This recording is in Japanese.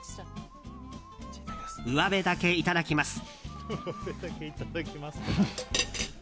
うわべだけいただきます。